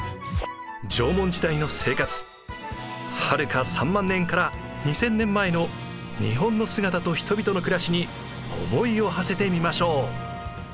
はるか３万年から２，０００年前の日本の姿と人々の暮らしに思いをはせてみましょう。